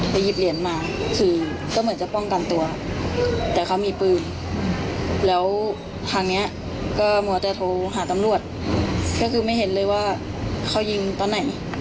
หยิบเหรียญมาคือก็เหมือนจะป้องกันตัวแต่เขามีปืนแล้วทางนี้ก็มัวแต่โทรหาตำรวจก็คือไม่เห็นเลยว่าเขายิงตอนไหน